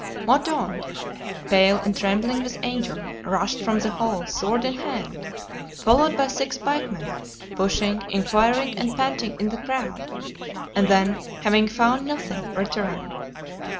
Mordaunt, pale and trembling with anger, rushed from the hall sword in hand, followed by six pikemen, pushing, inquiring and panting in the crowd; and then, having found nothing, returned.